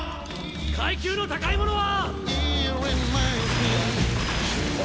階級の高い者は？